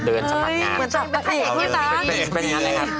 เดินสมัครงานเหมือนจะเป็นพระเอกที่สร้าง